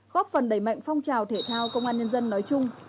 góp phần đẩy mạnh phong trào thể thao công an nhân dân nói chung